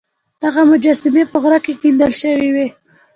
دغه مجسمې په غره کې کیندل شوې وې